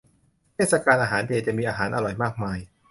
เทศกาลอาหารเจ จะมีอาหารอร่อยมากมาย